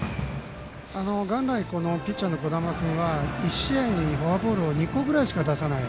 元来ピッチャーの小玉君は１試合にフォアボールを２個ぐらいしか出さない